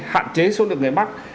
hạn chế số lượng người mắc